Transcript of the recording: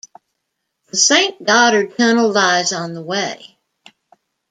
The Saint Gotthard Tunnel lies on the way.